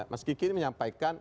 mas kiki menyampaikan